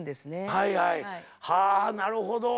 はいはい。はなるほど。